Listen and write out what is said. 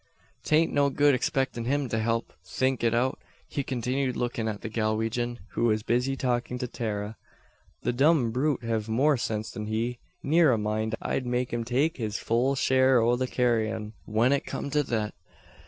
"'Taint no good expektin' him to help think it out," he continued looking at the Galwegian, who was busy talking to Tara. "The dumb brute hev more sense than he. Neer a mind. I'd make him take his full share o' the carryin' when it kum to thet.